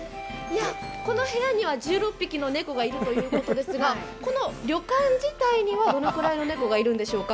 この部屋には１６匹の猫がいるということですがこの旅館自体にはどれくらいの猫がいるんでしょうか？